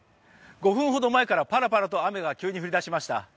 ５分ほど前からパラパラと雨が急に降り出しました。